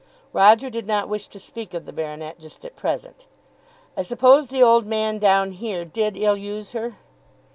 Roger did not wish to speak of the Baronet just at present. "I suppose the old man down here did ill use her?"